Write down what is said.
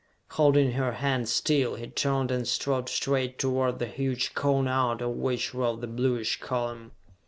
Holding her hand still, he turned and strode straight toward the huge cone out of which rose the bluish column.